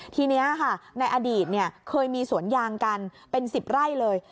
ทีนี้ค่ะในอดีตเคยมีสวนยางกันเป็น๑๐ไร่เลย